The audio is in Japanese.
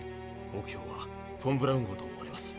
目標はフォン・ブラウン号と思われます。